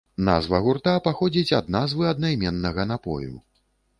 Назва гурта паходзіць ад назвы аднайменнага напою.